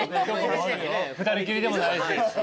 ２人きりでもないし。